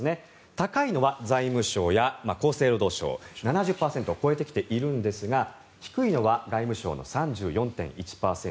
高いのは財務省や厚生労働省７０％を超えてきているんですが低いのは外務省の３４．１％